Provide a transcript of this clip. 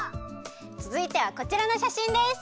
つづいてはこちらのしゃしんです！